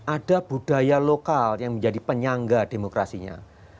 ada budaya lokal yang menjadi penyangga demokrasinya